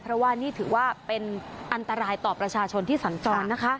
เพราะว่านี่ถือว่าเป็นอันตรายต่อประชาชนที่สัญจรนะคะ